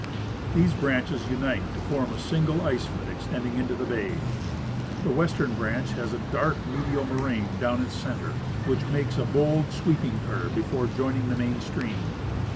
These branches unite to form a single ice foot extending into the bay. The western branch has a, dark medial moraine down its center, which makes a bold, sweeping curve before joining the main stream.